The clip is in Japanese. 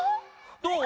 どう？